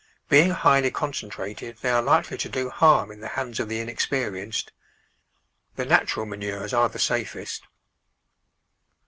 Being highly concentrated they are likely to do harm in the hands of the inexperienced. The natural manures are the safest.